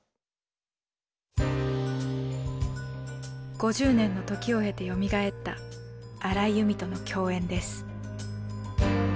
５０年の時を経てよみがえった荒井由実との共演です。